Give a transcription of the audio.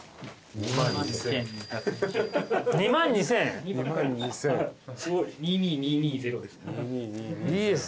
２２２２０です。